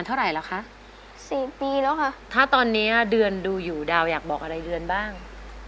ถ้าตอนนี้เดือนดูอยู่ดาวอยากบอกอะไรเดือนบ้าง